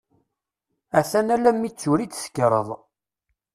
A-t-an alammi d tura i d-tekkreḍ.